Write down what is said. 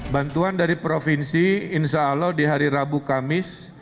bantuan dari provinsi insya allah di hari rabu kamis